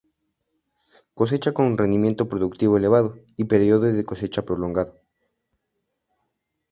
Cosecha con rendimiento productivo elevado, y periodo de cosecha prolongado.